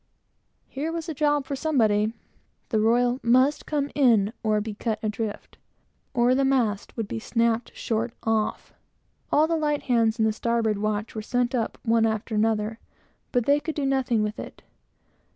Here was a job for somebody. The royal must come in or be cut adrift, or the mast would be snapped short off. All the light hands in the starboard watch were sent up, one after another, but they could do nothing with it.